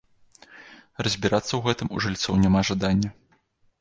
Разбірацца ў гэтым у жыльцоў няма жадання.